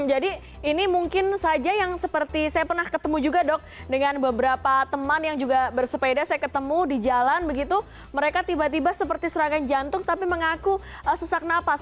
jadi ini mungkin saja yang seperti saya pernah ketemu juga dok dengan beberapa teman yang juga bersepeda saya ketemu di jalan begitu mereka tiba tiba seperti serangan jantung tapi mengaku sesak napas